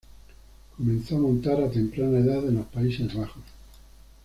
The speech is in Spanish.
Comenzó a montar a temprana edad en los Países Bajos.